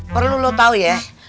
perlu lo tau ya